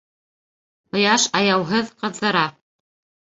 Ҡояш аяуһыҙ ҡыҙҙыра.